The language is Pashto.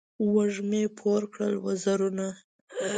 وږمې پور کړل وزرونه